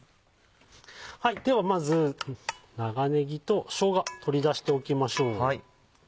ではまず長ねぎとしょうが取り出しておきましょう。